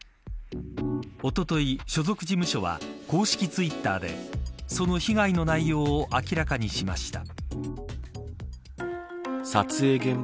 おととい所属事務所は公式ツイッターでその被害の内容を明らかにしました。